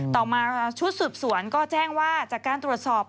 ต่อมาชุดสืบสวนก็แจ้งว่าจากการตรวจสอบ